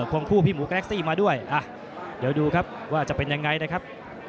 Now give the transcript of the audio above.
ควงคู่พี่หมูแกรกซี่มาด้วยเดี๋ยวดูครับว่าจะเป็นยังไงนะครับ